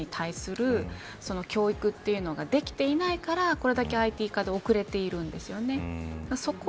日本は、社会人に対する教育というのができていないからこれだけＩＴ化が遅れているんですね。